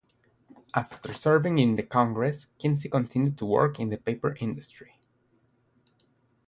After serving in the Congress, Kinsey continued to work in the paper industry.